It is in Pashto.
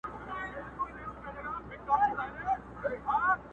د خندا جنازه ولاړه غم لړلې٫